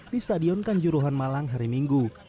di stadion kanjuruhan malang hari minggu